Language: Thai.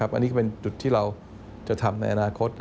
อันนี้ก็เป็นจุดที่เราจะทำในอนาคต